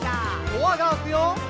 「ドアが開くよ」